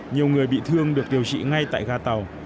nhiều người bị thương được điều trị ngay tại ga tàu